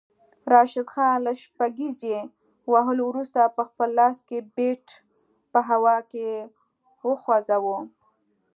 راشد خان له شپږیزې وهلو وروسته پخپل لاس کې بیټ په هوا کې وخوځاوه